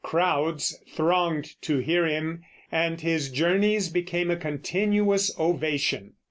Crowds thronged to hear him, and his journeys became a continuous ovation.